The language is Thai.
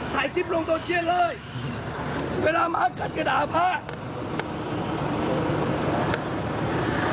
ถ่ายคลิปลงโซเชียลเลยเวลามากัดจะด่าพระ